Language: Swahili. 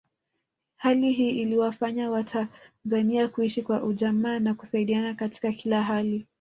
Hali hii iliwafanya watanzania kuishi kwa ujamaa na kusaidiana katika kila hali